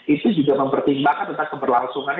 itu juga mempertimbangkan tentang keberlangsungan